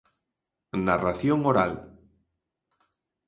Narración Oral.